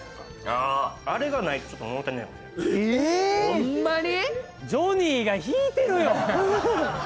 ・ホンマに？